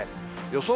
予想